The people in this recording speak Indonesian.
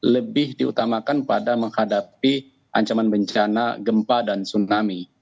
lebih diutamakan pada menghadapi ancaman bencana gempa dan tsunami